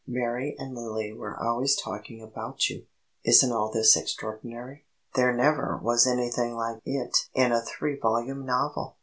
"Mary and Lily were always talking about you. Isn't all this extraordinary? There never was anything like it in a three volume novel!"